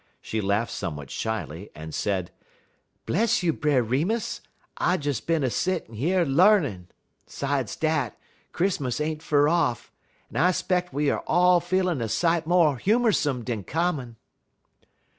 She laughed somewhat shyly, and said: "Bless you, Brer Remus! I des bin a settin' yer l'arnin'. 'Sides dat, Chris'mus ain't fur off en I 'speck we er all a feelin' a sight mo' humorsome dan common."